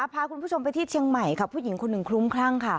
พาคุณผู้ชมไปที่เชียงใหม่ค่ะผู้หญิงคนหนึ่งคลุ้มคลั่งค่ะ